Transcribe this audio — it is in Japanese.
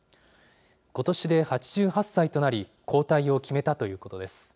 ことしで８８歳となり、交代を決めたということです。